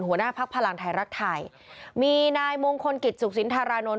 หัวหน้าพักพลังไทยรักไทยมีนายมงคลกิจสุขสินธารานนท